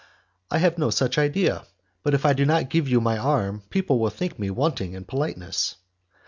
"I have no such idea, but if I do not give you my arm, people will think me wanting in politeness."